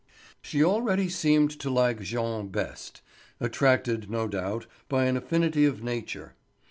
She already seemed to like Jean best, attracted, no doubt, by an affinity of nature.